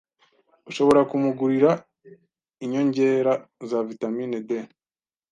ushobora kumugurira inyongera za vitamin D